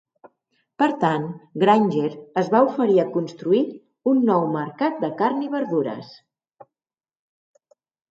Per tant, Grainger es va oferir a construir un nou mercat de carn i verdures.